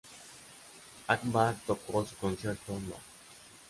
Akbar tocó su Concierto No.